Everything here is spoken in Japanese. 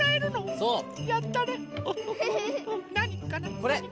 これ！